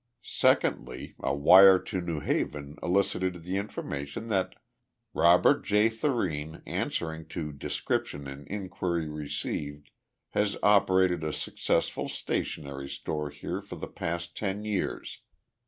Secondly, a wire to New Haven elicited the information that "Robert J. Thurene, answering to description in inquiry received, has operated a successful stationery store here for the past ten years.